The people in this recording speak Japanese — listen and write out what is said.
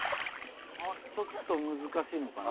ちょっと難しいのかな？